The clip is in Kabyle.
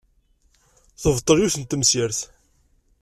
Tebṭel yiwet n temsirt.